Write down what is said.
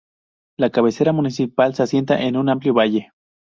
La cabecera municipal, se asienta en un amplio valle.